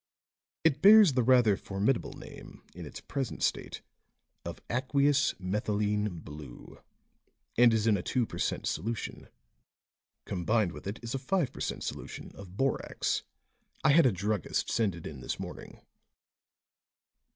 It bears the rather formidable name in its present state of aqueous methylene blue, and is in a two per cent. solution. Combined with it is a five per cent. solution of borax. I had a druggist send it in this morning."